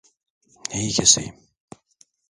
Neyi keseyim?